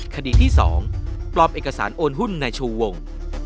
คดีที่๒ปลอมเอกสารโอนหุ้นในชูวง